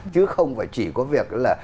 chứ không phải chỉ có việc là